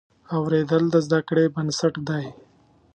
اورېدل د زده کړې بنسټ دی.